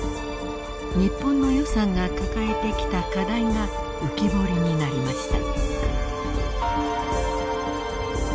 日本の予算が抱えてきた課題が浮き彫りになりました。